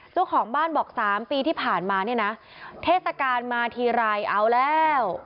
เจ้าของบ้านบอก๓ปีที่ผ่านมาเนี่ยนะเทศกาลมาทีไรเอาแล้ว